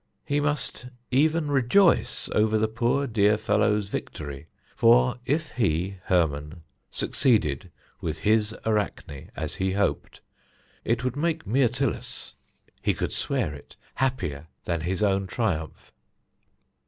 He must even rejoice over the poor dear fellow's victory; for if he, Hermon, succeeded with his Arachne as he hoped, it would make Myrtilus he could swear to it happier than his own triumph.